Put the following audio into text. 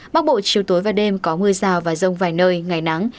bắc bộ chiều tối và đêm có mưa rào và rông vài nơi ngày nắng